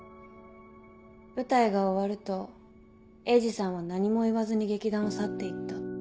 舞台が終わると鋭治さんは何も言わずに劇団を去って行った。